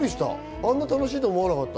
あんなに楽しいとは思わなかった。